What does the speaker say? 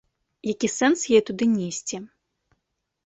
Які сэнс яе туды несці.